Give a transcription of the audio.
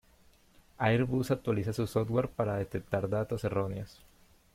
Airbus actualiza su software para detectar datos erróneos.